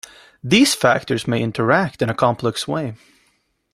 These factors may interact in a complex way.